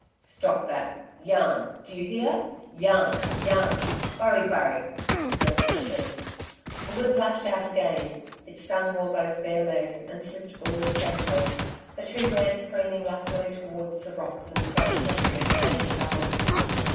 'Stop that! YAN do you hear? YAN YAN BURRI BURRI ' (go quickly). The whip lashed out again. It stung Wombo's bare leg, and flicked Oola's petticoat. The two ran screaming lustily towards the rocks and scrubby country at the head of the gully.